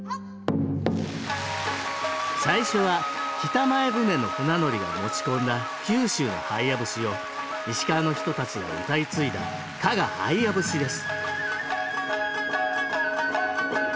最初は北前船の船乗りが持ち込んだ九州の「ハイヤ節」を石川の人たちがうたい継いだ「加賀ハイヤ節」です